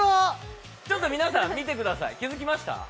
ちょっと皆さん見てください気づきました？